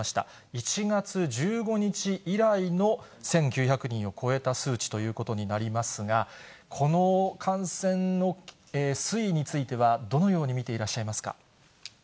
１月１５日以来の１９００人を超えた数値ということになりますが、この感染の推移については、どのように見ていらっしゃいますか。